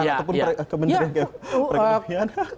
ataupun kementerian perkembangan